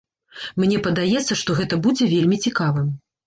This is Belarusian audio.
Мне падаецца, што гэта будзе вельмі цікавым.